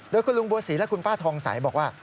โดยคุณลุงบัวศรีและคุณป้าทองใสบอกว่า